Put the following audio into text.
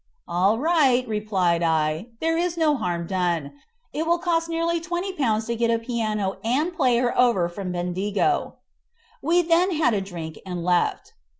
"All right," replied I; "there is no harm done; it will cost nearly Ł20 to get a piano and player over from Bendigo." We then had a drink, and left.